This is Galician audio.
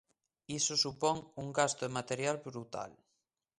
Iso supón un gasto de material brutal.